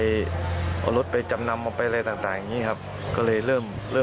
ก็เลยตามไปที่บ้านไม่พบตัวแล้วค่ะ